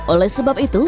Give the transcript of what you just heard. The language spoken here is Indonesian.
oleh sebab itu